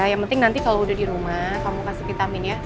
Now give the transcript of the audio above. yang penting kalau udah di rumah kamu kasih kita amin ya